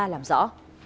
nga làm rõ